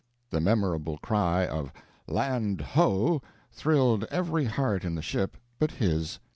The memorable cry of "Land ho!" thrilled every heart in the ship but his.